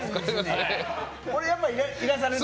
俺やっぱいらされる。